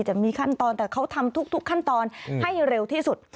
จะมีขั้นตอนแต่เขาทำทุกขั้นตอนให้เร็วที่สุด